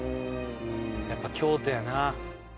やっぱり京都やな。